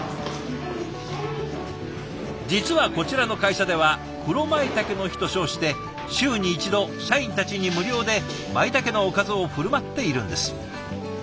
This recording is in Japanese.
実はこちらの会社では「黒舞茸の日」と称して週に１度社員たちに無料でまいたけのおかずを振る舞っているんです。